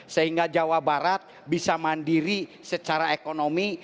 sehingga jawa barat bisa mandiri secara ekonomi